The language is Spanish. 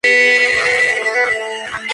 Actualmente forma niños en su Escuela de Fútbol.